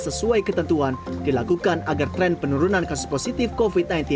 sesuai ketentuan dilakukan agar tren penurunan kasus positif covid sembilan belas